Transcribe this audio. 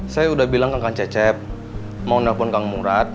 saya sudah bilang ke kang cecep mau nelfon kang murad